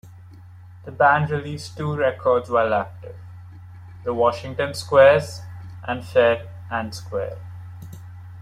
The band released two records while active; "The Washington Squares" and "Fair and Square".